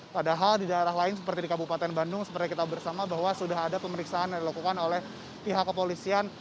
padahal di daerah lain seperti di kabupaten bandung seperti kita bersama bahwa sudah ada pemeriksaan yang dilakukan oleh pihak kepolisian